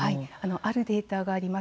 あるデータがあります。